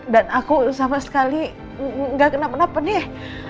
dan aku sama sekali gak kenapa napa nih